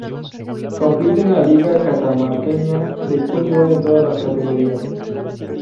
Compite en la Liga Catamarqueña de Fútbol en todas las categorías.